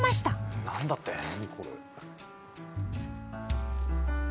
何だって？